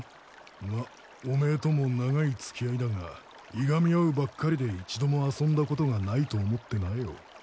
まっお前とも長い付き合いだがいがみ合うばっかりで一度も遊んだことがないと思ってなよ。